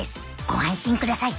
ご安心ください！